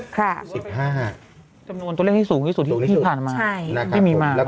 ครับจำนวนตัวเลขที่สูงที่สุดที่พี่ผ่านมาที่มีมากครับผม